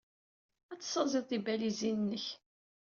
Ad tessaẓyed tibalizin-nnek.